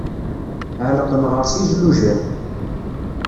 Ɛelqen ɣer-s ijlujal.